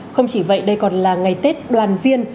không chỉ vậy đây còn là ngày tết đoàn viên